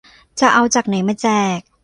จะเอาจากไหนมาแจก !